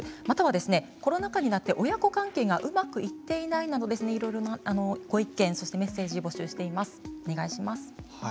またコロナ禍になって親子関係がうまくいっていないなどご意見、メッセージを募集しています。